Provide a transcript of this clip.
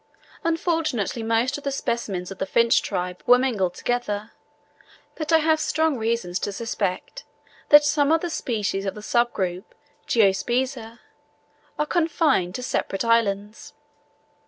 Unfortunately most of the specimens of the finch tribe were mingled together; but I have strong reasons to suspect that some of the species of the sub group Geospiza are confined to separate islands.